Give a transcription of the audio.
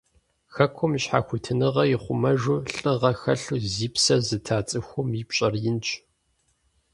Хэкум и щхьэхуитыныгъэр ихъумэжу, лӀыгъэ хэлъу зи псэр зыта цӀыхум и пщӀэр инщ.